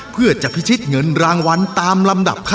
เพื่อจะพิชิชเงินรางวัล